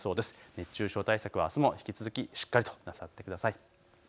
熱中症対策、あすも引き続きしっかりとなさってください。